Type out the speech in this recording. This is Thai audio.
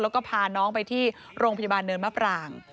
แล้วก็พาน้องไปที่โรงพยาบาลเนินมะปราง